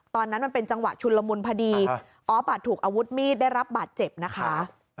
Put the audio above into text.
ตอนนั้นมันเป็นจังหวะชุนละมุนพอดีออฟถูกอาวุธมีดได้รับบาดเจ็บนะคะ